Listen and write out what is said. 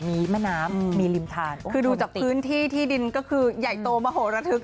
ไม่ไม่ว่าเราให้ของขวัญนั้นไปก่อน